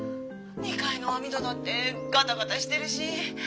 ２階の網戸だってガタガタしてるし。